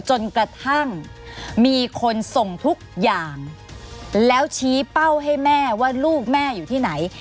จนกระทั่งมีคนส่งทุกอย่างแล้วชี้เป้าให้แม่ว่าลูกแม่อยู่ที่ไหน